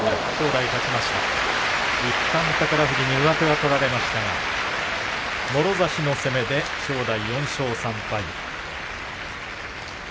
いったん宝富士、上手取られましたが、もろ差しの攻めで正代、４勝３敗。